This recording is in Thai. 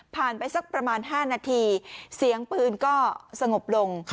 ไปสักประมาณ๕นาทีเสียงปืนก็สงบลง